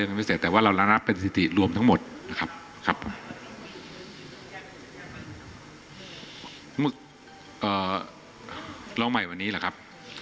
ในเกี่ยวกับเรื่องการฉีกบัตรนะครับ